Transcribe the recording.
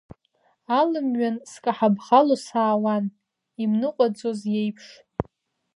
Алымҩан скаҳа-бӷало саауан, имныҟәаӡоз иеиԥш.